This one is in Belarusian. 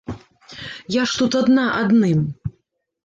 Я ж тут адна адным.